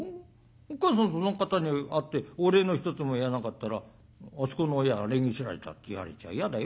おっかさんその方に会ってお礼の一つも言わなかったらあそこの親は礼儀知らずだって言われちゃやだよ。